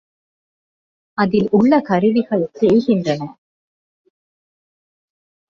அதில் உள்ள கருவிகள் தேய்கின்றன.